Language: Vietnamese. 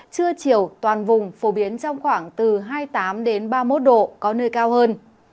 trưa chiều toàn vùng phổ biến trong khoảng từ hai mươi tám ba mươi một độ có nơi cao hơn